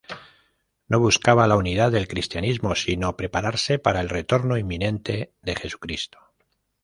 No buscaba la unidad del cristianismo sino prepararse para el retorno inminente de Jesucristo.